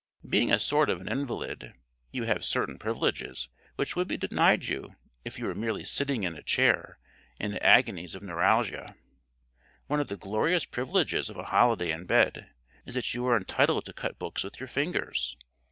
Being a sort of an invalid, you have certain privileges which would be denied you if you were merely sitting in a chair in the agonies of neuralgia. One of the glorious privileges of a holiday in bed is that you are entitled to cut books with your fingers.